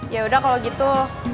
ya udah kalau gitu